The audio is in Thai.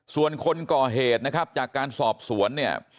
ส่วนคนก่อเหตุนะครับจากการสอบสวนเนี่ย